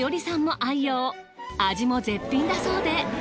味も絶品だそうで。